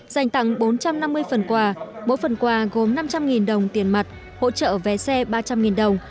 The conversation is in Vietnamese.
dành tặng bốn trăm năm mươi phần quà mỗi phần quà gồm năm trăm linh đồng tiền mặt hỗ trợ vé xe ba trăm linh đồng